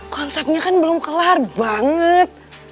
konsepnya kan belum kelar banget